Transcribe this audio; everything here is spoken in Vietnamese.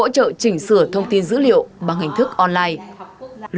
thông tin dữ liệu bằng hình thức online